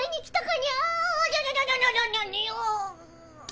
ニャ！